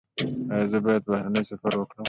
ایا زه باید بهرنی سفر وکړم؟